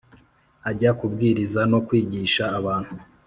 Ajya kubwiriza no kwigisha abantu.